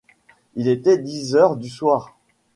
Il était dix heures du soir.